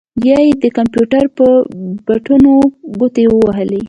بيا يې د کمپيوټر پر بټنو ګوتې ووهلې.